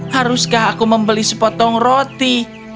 haruskah aku membeli sepotong roti